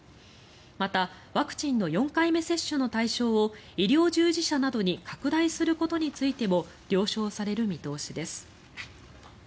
またワクチンの４回目接種の対象を医療従事者などに拡大することについても了承される見通しです。